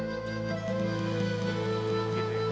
apapun rasanya jauh